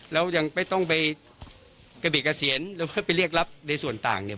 แล้วยังไม่ต้องไปกระเบกเกษียณหรือว่าไปเรียกรับในส่วนต่างเนี่ย